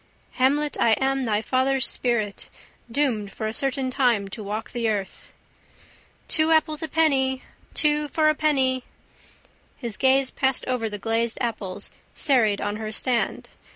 Hamlet, I am thy father's spirit Doomed for a certain time to walk the earth. —Two apples a penny! Two for a penny! His gaze passed over the glazed apples serried on her stand.